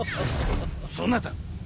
そなた。